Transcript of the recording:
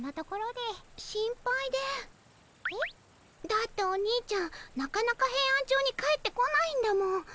だっておにいちゃんなかなかヘイアンチョウに帰ってこないんだもん。